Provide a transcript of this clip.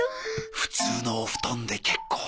普通のお布団で結構です。